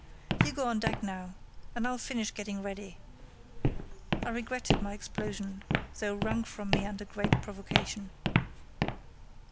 "You go on deck now, and I'll finish getting ready." I regretted my explosion, though wrung from me under great provocation.